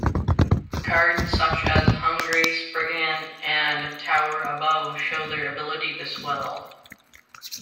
Cards such as Hungry Spriggan and Tower Above show their ability to swell.